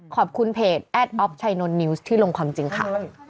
เพจแอดออฟชัยนนนิวส์ที่ลงความจริงค่ะ